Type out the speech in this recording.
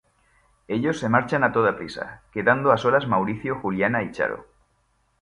Ellos se marchan a toda prisa, quedando a solas Mauricio, Juliana y Charo.